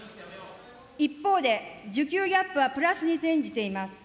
一方で、需給ギャップはプラスに転じています。